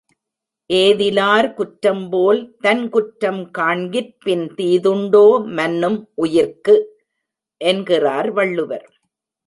ஏதிலார் குற்றம்போல் தன்குற்றம் காண்கிற்பின் தீதுண்டோ மன்னும் உயிர்க்கு என்கிறார் வள்ளுவர்.